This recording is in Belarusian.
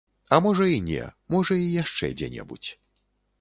А можа і не, можа і яшчэ дзе-небудзь.